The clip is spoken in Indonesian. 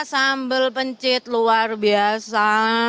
sambel pencit luar biasa